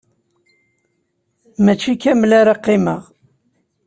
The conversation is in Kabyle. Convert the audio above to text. Mačči kamel ara qqimeɣ.